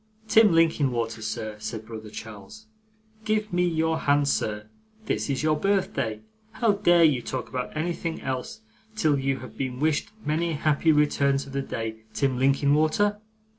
'Tim Linkinwater, sir,' said brother Charles; 'give me your hand, sir. This is your birthday. How dare you talk about anything else till you have been wished many happy returns of the day, Tim Linkinwater?